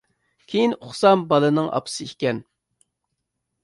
كېيىن ئۇقسام، بالىنىڭ ئاپىسى ئىكەن.